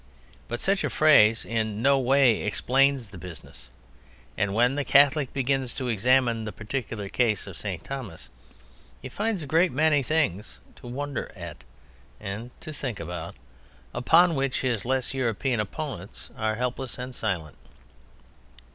But such a phrase in no way explains the business; and when the Catholic begins to examine the particular case of St. Thomas, he finds a great many things to wonder at and to think about, upon which his less European opponents are helpless and silent.